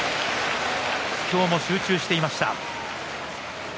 今日も集中していました。